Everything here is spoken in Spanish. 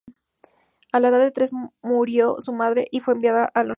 A la edad de tres murió su madre y fue enviada a un orfanato.